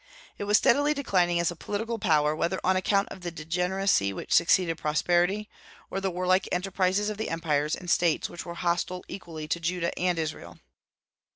It was steadily declining as a political power, whether on account of the degeneracy which succeeded prosperity, or the warlike enterprises of the empires and states which were hostile equally to Judah and Israel.